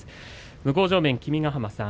向正面、君ヶ濱さん